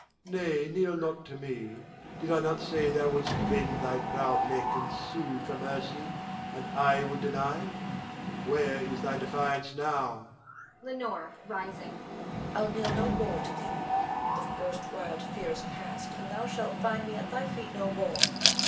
Nay, kneel not to me. Did I not say thou wouldst bend thy proud head, and sue for mercy, and I would deny it? Where is thy defiance now? Leonore [rising]. I'll kneel no more to thee. The first wild fear is past, and thou shalt find me at thy feet no more.